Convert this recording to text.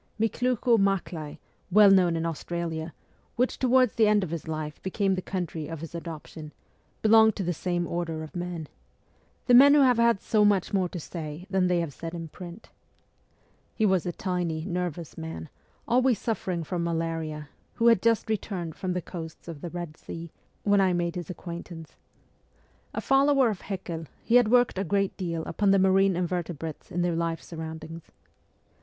Miklukho Maklay, well known in Australia, which towards the end of his life became the country of his adoption, belonged to the same order of men the men who have had so much more to say than they have said in print. He was a tiny, nervous man, always suffering from malaria, who had just returned from the coasts of the Red Sea, when I made his acquaintance. A follower of Haeckel, he had worked a great deal upon the marine invertebrates in their life surroundings.